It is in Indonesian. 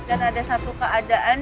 dan ada satu keadaan